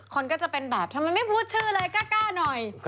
คนก็จะเป็นแบบทำไมไม่พูดชื่อเลยกล้าหน่อย